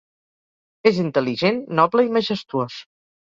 És intel·ligent, noble i majestuós.